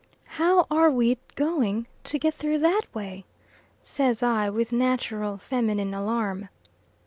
"How are we going to get through that way?" says I, with natural feminine alarm.